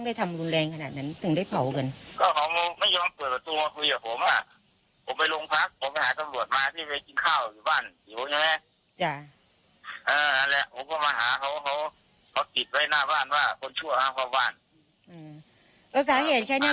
พี่หวันวันนั้นพี่หวันเมาไม่ได้ที่พี่หวันทำไปนะ